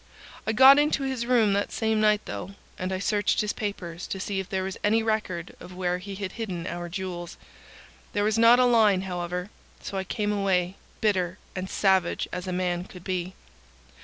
I got into his room that same night, though, and I searched his papers to see if there was any record of where he had hidden our jewels. There was not a line, however: so I came away, bitter and savage as a man could be.